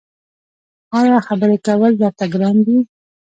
ایا خبرې کول درته ګران دي؟